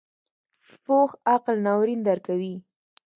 پوخ عقل ناورین درکوي